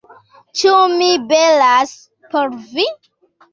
- Ĉu mi belas por vi?